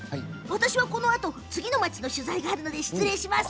私は、このあと次の街の取材があるので失礼します。